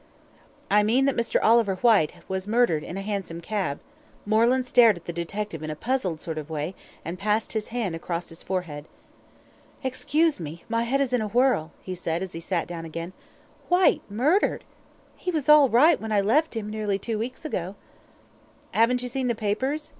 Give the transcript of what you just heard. "I mean that Mr. Oliver Whyte was murdered in a hansom cab." Moreland stared at the detective in a puzzled sort of way, and passed his hand across his forehead. "Excuse me, my head is in a whirl," he said, as he sat down again. "Whyte murdered! He was all right when I left him nearly two weeks ago." "Haven't you seen the papers?"